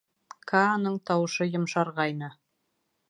— Кааның тауышы йомшарғайны.